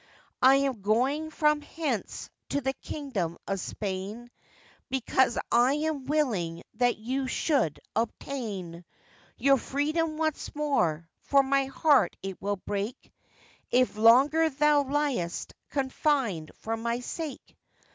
'I am going from hence to the kingdom of Spain, Because I am willing that you should obtain Your freedom once more; for my heart it will break If longer thou liest confined for my sake.